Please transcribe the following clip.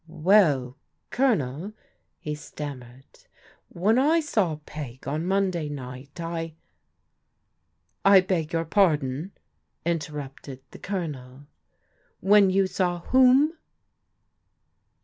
" Well, Colonel," he stammered, " when I saw Peg on Monday night I ^"" I beg your pardon," interrupted the Colonel, " when you saw whom?